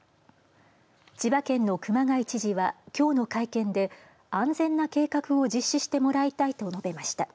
千葉県の熊谷知事は、きょうの会見で安全な計画を実施してもらいたいと述べました。